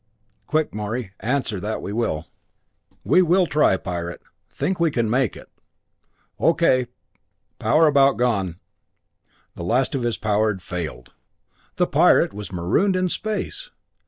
"Quick, Morey answer that we will." "We will try, Pirate think we can make it!" "O.K. power about gone " The last of his power had failed! The pirate was marooned in space!